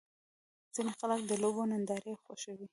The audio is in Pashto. ځینې خلک د لوبو نندارې خوښوي.